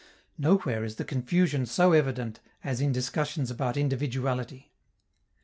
Nowhere is the confusion so evident as in discussions about individuality.